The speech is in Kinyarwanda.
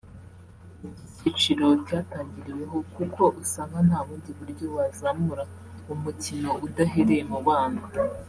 Iki cyiciro cyatangiriweho kuko usanga nta bundi buryo wazamura umukino udahereye mu bana